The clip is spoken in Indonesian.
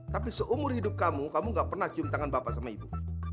tapi seumur hidup kamu kamu gak pernah cium tangan bapak sama ibu